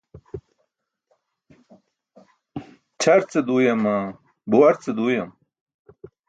Ćʰar ce duuyama, buwar ce duuyam?